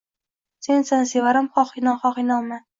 Sensan sevarim xoh inon, xoh inonma